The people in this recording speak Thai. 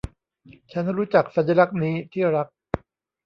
ฉันรู้จักสัญลักษณ์นี้ที่รัก